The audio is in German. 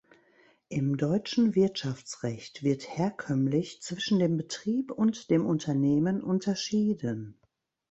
Im deutschen Wirtschaftsrecht wird herkömmlich zwischen dem Betrieb und dem Unternehmen unterschieden.